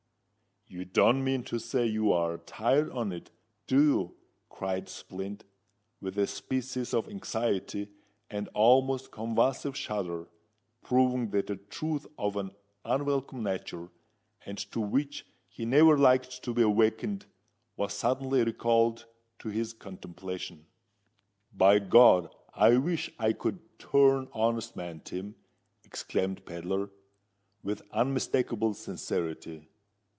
"You don't mean to say you're a tired on it—do you?" cried Splint, with a species of anxiety and almost convulsive shudder, proving that a truth of an unwelcome nature, and to which he never liked to be awakened, was suddenly recalled to his contemplation. "By God! I wish I could turn honest man, Tim!" exclaimed Pedler, with unmistakeable sincerity.